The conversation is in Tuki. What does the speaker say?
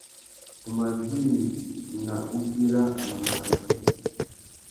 Tu mà djï nà wugüira mamana matê.